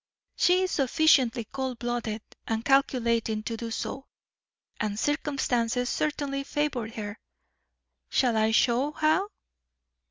She is sufficiently cold blooded and calculating to do so; and circumstances certainly favoured her. Shall I show how?"